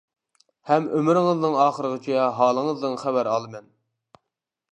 ھەم ئۆمرىڭىزنىڭ ئاخىرىغىچە ھالىڭىزدىن خەۋەر ئالىمەن.